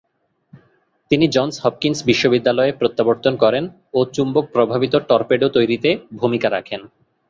তিনি Johns Hopkins বিশ্ববিদ্যালয়ে প্রত্যাবর্তন করেন ও চুম্বক-প্রভাবিত টর্পেডো তৈরিতে ভূমিকা রাখেন।